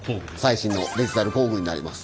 最新のデジタル工具になります。